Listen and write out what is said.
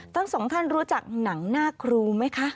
ทั้งสองท่านรู้จักหนังหน้าครูไหมคะ